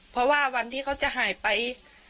เพราะว่าวันที่เขาจะหายไป